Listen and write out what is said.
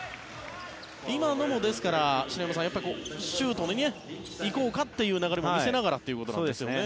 今のも、ですから篠山さんシュートに行こうかという流れも見せながらということですね。